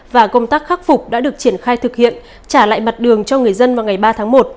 và công tác khắc phục đã được triển khai thực hiện trả lại mặt đường cho người dân vào ngày ba tháng một